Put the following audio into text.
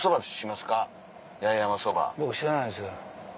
僕知らないです。